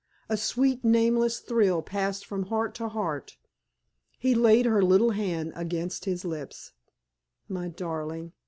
A sweet, nameless thrill passed from heart to heart. He laid her little hand against his lips. "My darling!"